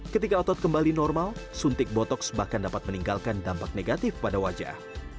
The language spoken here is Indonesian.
ketika otot kembali normal suntik botoks bahkan dapat meninggalkan dampak negatif pada wajah